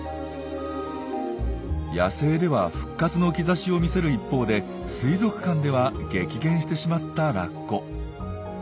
野生では復活の兆しを見せる一方で水族館では激減してしまったラッコ。